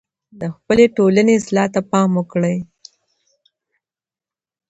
د خپلې ټولني اصلاح ته پام وکړئ.